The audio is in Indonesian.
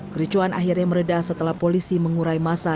kerecohan akhirnya meredah setelah polisi mengurai massa